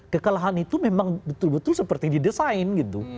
kekalahan itu memang betul betul seperti didesain gitu